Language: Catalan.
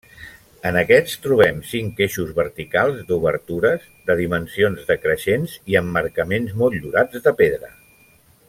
En aquests trobem cinc eixos verticals d'obertures, de dimensions decreixents i emmarcaments motllurats de pedra.